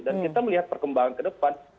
dan kita melihat perkembangan ke depan